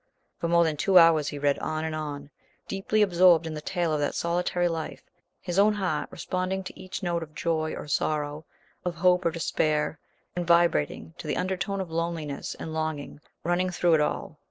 For more than two hours he read on and on, deeply absorbed in the tale of that solitary life, his own heart responding to each note of joy or sorrow, of hope or despair, and vibrating to the undertone of loneliness and longing running through it all.